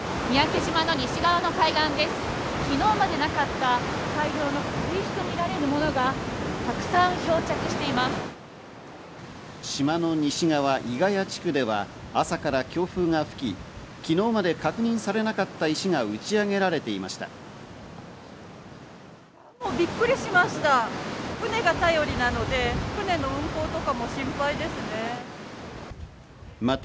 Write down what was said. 島の西側、伊ヶ谷地区では朝から強風が吹き、昨日まで確認されなかった石が打ち上げられていました。